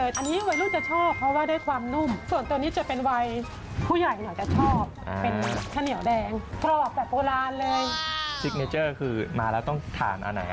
เดี๋ยวดิงเกาะแต่โปรลานเลยฟินเจอร์คือมาแล้วต้องกระบะท่านอ่ะนะ